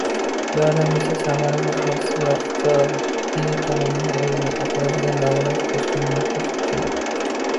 Yordam esa «samarali, xavfsiz va iqtisodiy tomondan o‘zini oqlaydigan davolash kursini aniqlash uchun